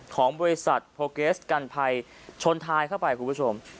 ของบริษัทโพเกสกันภัยชนท้ายเข้าไปคุณผู้ชม